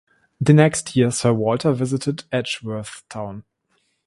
The next year, Sir Walter visited Edgeworthstown.